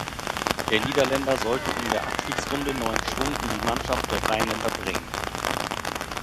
Der Niederländer sollte in der Abstiegsrunde neuen Schwung in die Mannschaft der Rheinländer bringen.